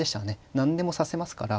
何でも指せますから。